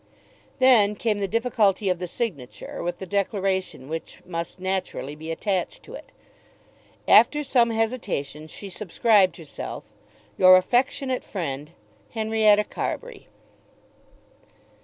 Then came the difficulty of the signature, with the declaration which must naturally be attached to it. After some hesitation she subscribed herself, Your affectionate friend, HENRIETTA CARBURY.